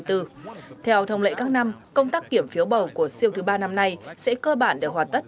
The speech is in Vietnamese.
theo thông lệ các năm công tác kiểm phiếu bầu của siêu thứ ba năm nay sẽ cơ bản được hoàn tất